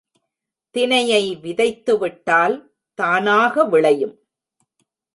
தினையை விதைத்துவிட்டால் தானாக விளையும்.